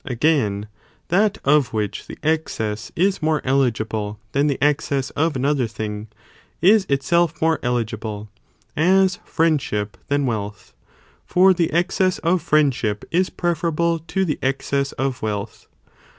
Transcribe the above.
Again, that of which the excess is more eligible than the ex cess (of another thing), is itself more eligible, as friendship than wealth, for the excess of friend ship is preferable to the excess of wealth.